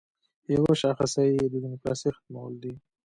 یوه شاخصه یې د دیموکراسۍ ختمول دي.